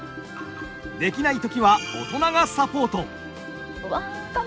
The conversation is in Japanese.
できない時は大人がサポート。